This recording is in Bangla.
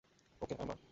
ওকে, এম্বার।